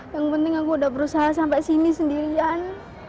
yang penting aku udah berusaha sampai sini sendirian